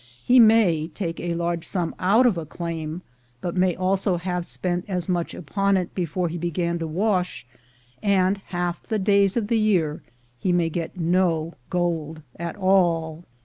He may take a large sum out of a claim, but may also have spent as much upon it before he began to wash, and half the days of the year he may get no gold at all.